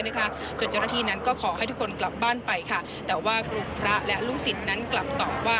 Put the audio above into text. เจ้าหน้าที่นั้นก็ขอให้ทุกคนกลับบ้านไปค่ะแต่ว่ากลุ่มพระและลูกศิษย์นั้นกลับตอบว่า